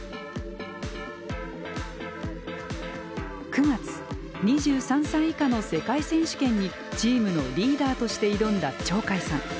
９月２３歳以下の世界選手権にチームのリーダーとして挑んだ鳥海さん。